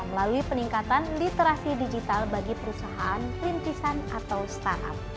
melalui peningkatan literasi digital bagi perusahaan rintisan atau startup